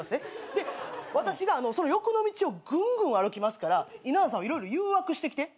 で私が欲の道をぐんぐん歩きますから稲田さんは色々誘惑してきて。